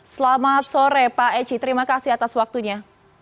selamat sore pak eci terima kasih atas waktunya